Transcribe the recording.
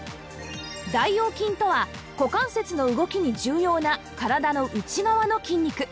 大腰筋とは股関節の動きに重要な体の内側の筋肉